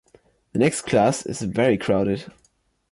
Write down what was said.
The next class is very crowded.